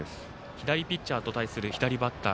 左ピッチャーと対する左バッター。